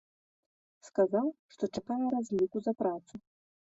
Сказаў, што чакае разліку за працу.